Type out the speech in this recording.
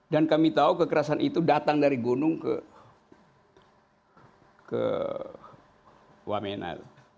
dan kami tahu kekerasan itu datang dari gunung ke wamena